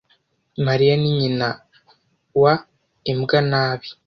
mariya ni nyina wa imbwa nabi